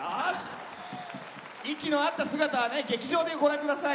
息の合った姿を劇場でご覧ください。